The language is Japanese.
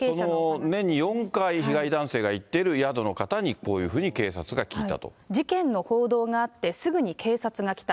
この年に４回、被害男性が行っている宿の方に、事件の報道があって、すぐに警察が来た。